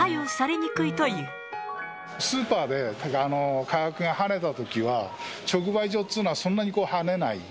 スーパーで価格がはねたときは、直売所っていうのは、そんなにはねない。